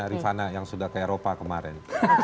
rifana yang sudah ke eropa kemarin